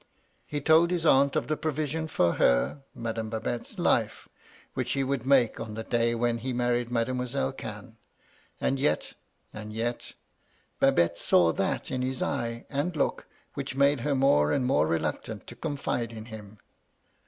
He told his aunt of the proviaion for her (Madame Babette's) life, which he would make on the day when he married Mam'selle Cannes. And yet — and yet — Babette saw that in his eye and look which made her more and more reluctant to confide in him.